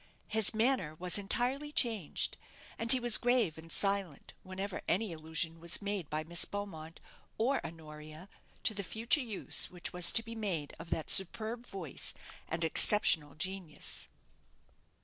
His manner was entirely changed, and he was grave and silent whenever any allusion was made by Miss Beaumont or Honoria to the future use which was to be made of that superb voice and exceptional genius.